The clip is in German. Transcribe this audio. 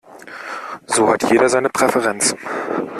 So hat jeder seine Präferenz.